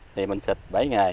thì mình xịt bảy ngày